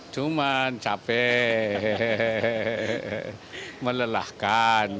cuman capek melelahkan